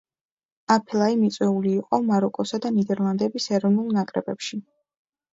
აფელაი მიწვეული იყო მაროკოსა და ნიდერლანდების ეროვნულ ნაკრებებში.